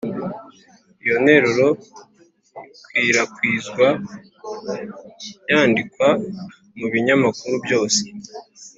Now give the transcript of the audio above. iyo nteruro ikwirakwizwa yandikwa mu binyamakuru byose